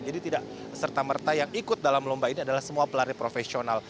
jadi tidak serta merta yang ikut dalam lomba ini adalah semua pelari profesional